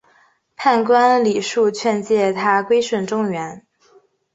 判官李恕劝谏他归顺中原。